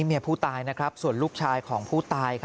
เมียผู้ตายส่วนลูกชายของผู้ตาย